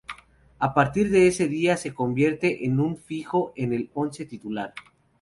A partir de ese día se convierte en un fijo en el once titular.